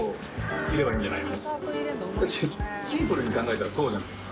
だってシンプルに考えたらそうじゃないですか。